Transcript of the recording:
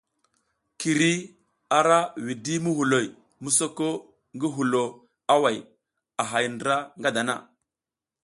Kiri ara widi muhuloy mi soka ngi hulo away a hay ndra nga dana.